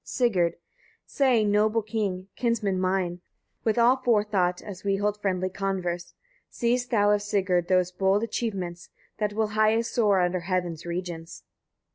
Sigurd. 10. Say, noble king! kinsman mine! with all forethought, as we hold friendly converse; seest thou of Sigurd those bold achievements, that will highest soar under heaven's regions?"